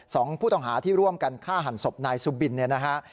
สองผู้ต้องหาที่ร่วมกันฆ่าหันศพนายสุบินเนี่ยนะฮะ